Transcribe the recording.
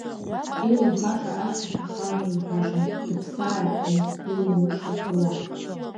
Илымҳәаша шьҭахь ахаан илҳәашам, дыԥсааит, нас, илымуша луам.